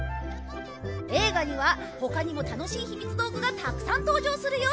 映画には他にも楽しいひみつ道具がたくさん登場するよ